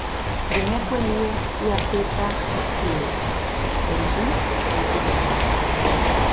Prumèr cuelhie ua peta eth solet, dempús es dus ath còp.